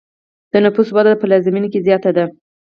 د نفوسو وده په پلازمینه کې زیاته ده.